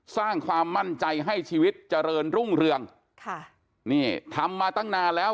สร้างความมั่นใจให้ชีวิตเจริญรุ่งเรืองค่ะนี่ทำมาตั้งนานแล้ว